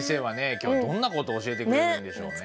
今日どんな事を教えてくれるんでしょうね。